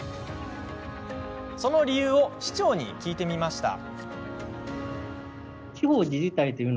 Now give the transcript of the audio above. その理由を市長に聞いてみました。